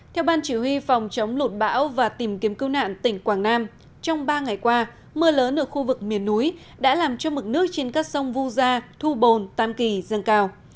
theo ban chỉ huy phòng chống lụt bão và tìm kiếm cứu nạn tỉnh quảng nam trong ba ngày qua mưa lớn ở khu vực miền núi đã làm cho mực nước trên các sông vu gia thu bồn tam kỳ dâng cao